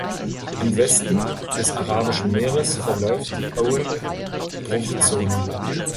Im Westen des Arabischen Meeres verläuft die Owen-Bruchzone.